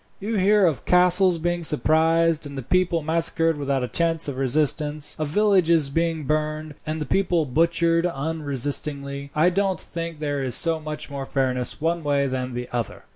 "You hear of castles being surprised, and the people massacred without a chance of resistance; of villages being burned, and the people butchered unresistingly. I don't think there is so much more fairness one way than the other.